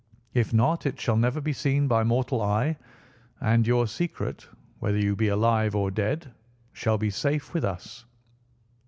If not, it shall never be seen by mortal eye; and your secret, whether you be alive or dead, shall be safe with us."